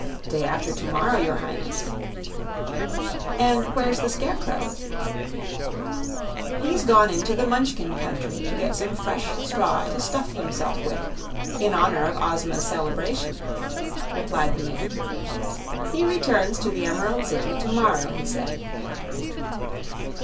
"Day after to morrow, your Highness." "And where's the Scarecrow?" "He's gone into the Munchkin country to get some fresh straw to stuff himself with, in honor of Ozma's celebration," replied the maid. "He returns to the Emerald City to morrow, he said."